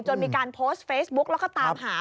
มีการโพสต์เฟซบุ๊กแล้วก็ตามหา